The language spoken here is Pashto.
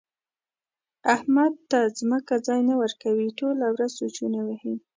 احمد ته ځمکه ځای نه ورکوي؛ ټوله ورځ سوچونه وهي.